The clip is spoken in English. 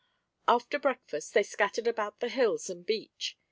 After breakfast they scattered about the hills and beach.